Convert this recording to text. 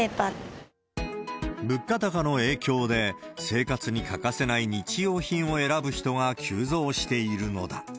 物価高の影響で、生活に欠かせない日用品を選ぶ人が急増しているのだ。